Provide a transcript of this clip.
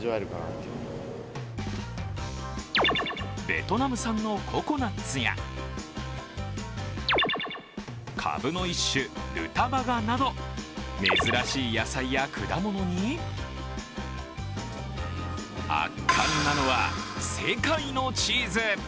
ベトナム産のココナッツやカブの一種ルタバガなど、珍しい野菜や果物に圧巻なのは世界のチーズ。